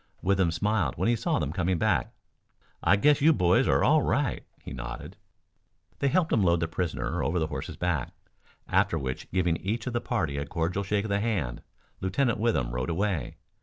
Withem smiled when he saw them coming back. "I guess you boys are all right," he nodded. They helped him load the prisoner over the horse's back, after which, giving each of the party a cordial shake of the hand, Lieutenant Withem rode away.